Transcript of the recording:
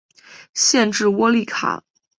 县治窝利卡。